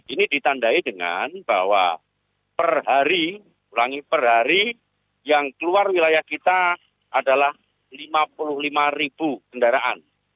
ini ditandai dengan bahwa per hari ulangi per hari yang keluar wilayah kita adalah lima puluh lima ribu kendaraan